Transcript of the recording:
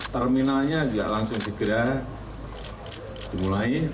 terminalnya juga langsung segera dimulai